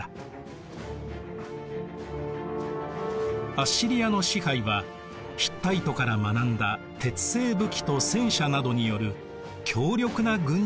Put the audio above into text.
アッシリアの支配はヒッタイトから学んだ鉄製武器と戦車などによる強力な軍需力によって支えられていました。